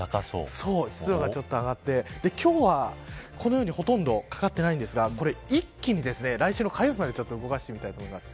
湿度がちょっと上がって今日は、このようにほとんどかかっていないんですが一気に来週の火曜日まで動かしてみたいと思います。